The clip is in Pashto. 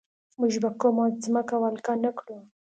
موږ به کومه ځمکه ولکه نه کړو.